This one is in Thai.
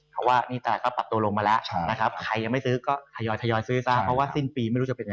พยายองลงทุนได้เลย